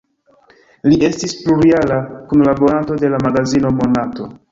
Li estis plurjara kunlaboranto de la magazino "Monato".